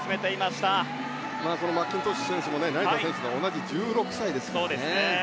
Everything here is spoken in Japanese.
マッキントッシュ選手も成田選手と同じ１６歳ですからね。